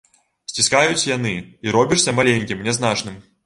Сціскаюць яны, і робішся маленькім, нязначным.